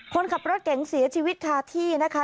คนขับรถเก๋งเสียชีวิตคาที่นะคะ